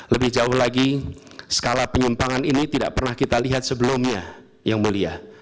lebih jauh lagi skala penyimpangan ini tidak pernah kita lihat sebelumnya yang mulia